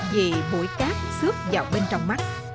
vì bụi cát xước vào bên trong mắt